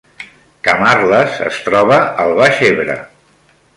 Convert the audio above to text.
Camarles es troba al Baix Ebre